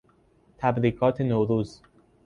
تبریکات نوروز